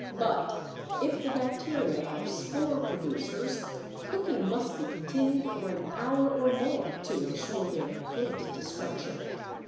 but, if the bacteria are spore producers, cooking must be continued for an hour or more to insure their complete destruction.